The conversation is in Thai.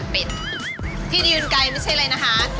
เพื่อ๑คำ๒๐๑๐